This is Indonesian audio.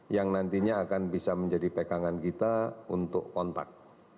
yang nantinya akan bisa menjadi pegangan kita untuk kontak